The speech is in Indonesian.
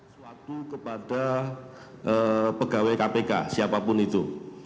suatu kepada pegawai kpk siapapun itu